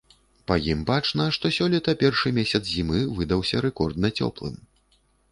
Па ім бачна, што сёлета першы месяц зімы выдаўся рэкордна цёплым.